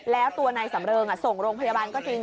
แล้วตัวนายสำเริงส่งโรงพยาบาลก็จริง